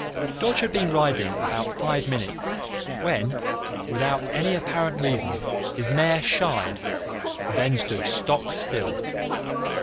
Dodge had been riding about five minutes when, without any apparent reason, his mare shied, then stood stock still.